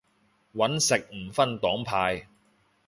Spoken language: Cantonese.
搵食不分黨派